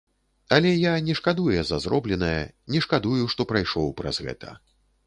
Але я не шкадуе за зробленае, не шкадую, што прайшоў праз гэта.